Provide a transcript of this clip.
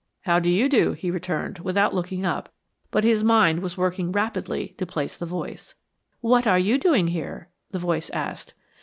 "How do you do," he returned, without looking up, but his mind was working rapidly to place the voice. "What are you doing here?" the voice asked.